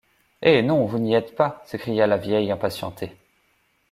Eh! non, vous n’y êtes pas, s’écria la vieille impatientée.